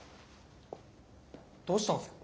どうしたんすか？